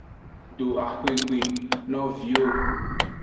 Do axwegbe no viwo.